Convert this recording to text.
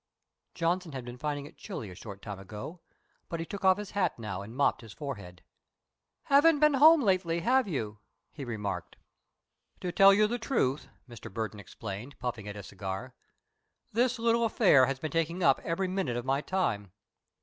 Johnson had been finding it chilly a short time ago but he took off his hat now and mopped his forehead. "Haven't been home lately, have you?" he remarked. "To tell you the truth," Mr. Burton explained, puffing at his cigar, "this little affair has been taking up every minute of my time.